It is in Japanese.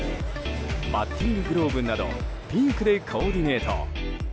バッティンググローブなどピンクでコーディネート。